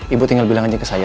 ibu tinggal bilang aja ke saya